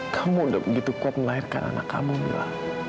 kamu udah begitu kuat melahirkan anak kamu mila